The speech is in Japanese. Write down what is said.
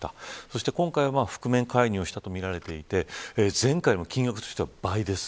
そして、今回は覆面介入したとみられていて前回の、金額としては倍です。